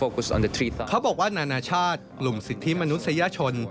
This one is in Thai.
เขาบอกว่านานาชาติกลุ่มสิทธิมนุษยชน